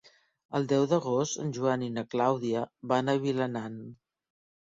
El deu d'agost en Joan i na Clàudia van a Vilanant.